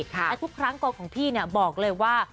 และครอบครั้งกล่องของพี่บอกเลยว่า